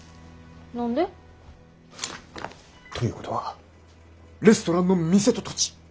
何で？ということはレストランの店と土地